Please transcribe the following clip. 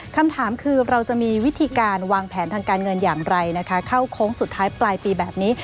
คำถามคือเราจะมีวิธีการวางแผนทางการเงินอย่างไรนะคะเข้าโค้งสุดท้ายปลายปีแบบนี้